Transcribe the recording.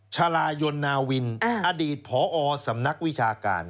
ชายลายนนาวินอดีตพอสำนักวิชาการ